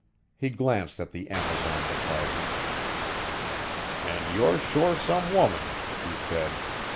He glanced at the amazon beside him. "And you're sure some woman!" he said.